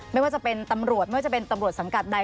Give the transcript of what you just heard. ไม่ว่าจะเป็นตำรวจไม่ว่าจะเป็นตำรวจสังกัดใด